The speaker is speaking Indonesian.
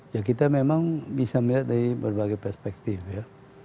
ya kita memang bisa melihat dari berbagai perspektif ya